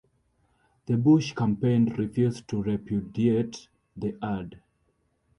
The Bush campaign refused to repudiate the ad.